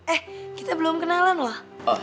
eh kita belum kenalan wah